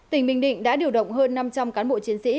tỉnh bình định đã điều động hơn năm trăm linh cán bộ chiến sĩ